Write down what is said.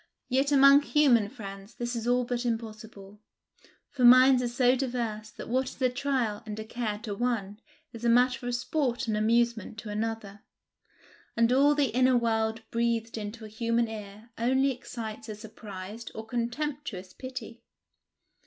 Yet among human friends this is all but impossible, for minds are so diverse that what is a trial and a care to one is a matter of sport and amusement to another; and all the inner world breathed into a human ear only excites a surprised or contemptuous pity.